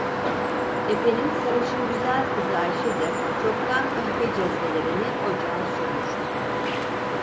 Efenin sarışın güzel kızı Ayşe de çoktan kahve cezvelerini ocağa sürmüştü.